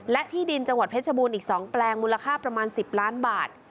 และที่ดินจังหวัดเพชรบูรณ์อีก๒แปลงมูลค่าประมาณ๑๐ล้านบาท